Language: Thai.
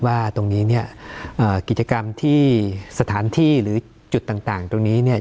ว่าตรงนี้เนี่ยกิจกรรมที่สถานที่หรือจุดต่างตรงนี้เนี่ย